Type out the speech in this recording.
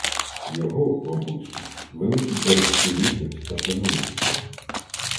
Його, бабусю, великі парубки люблять та шанують.